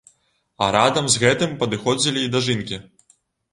А радам з гэтым падыходзілі і дажынкі.